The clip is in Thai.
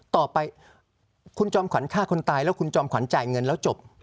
ต่อไปคุณจอมขวัญฆ่าคนตายแล้วคุณจอมขวัญจ่ายเงินแล้วจบ